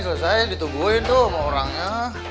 selesai selesai ditubuhin tuh sama orangnya